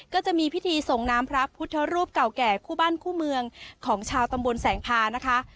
ก็จะมีพิธีส่งน้ำพระพุทธรูปเก่าแก่คู่บ้านคู่เมืองของชาวตำบลแสงพานะคะ